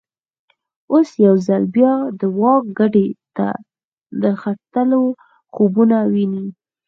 اوس یو ځل بیا د واک ګدۍ ته د ختلو خوبونه ویني.